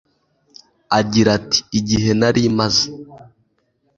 agira ati igihe nari maze